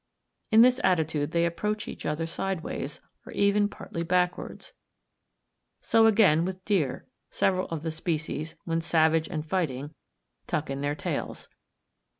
In this attitude they approach each other sideways, or even partly backwards. So again with deer, several of the species, when savage and fighting, tuck in their tails.